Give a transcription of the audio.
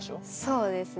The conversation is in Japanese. そうですね。